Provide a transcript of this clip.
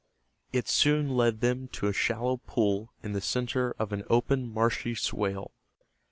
It soon led them to a shallow pool in the center of an open marshy swale.